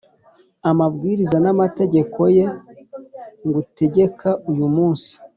amabwiriza n’amategeko ye ngutegeka uyu munsi,